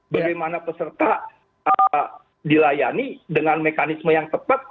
bagaimana peserta dilayani dengan mekanisme yang tepat